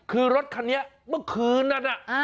คือรถคันนี้เมื่อคืนนั้นน่ะ